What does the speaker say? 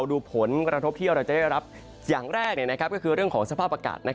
ดูผลกระทบที่เราจะได้รับอย่างแรกก็คือเรื่องของสภาพอากาศ